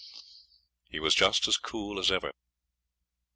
He was just as cool as ever.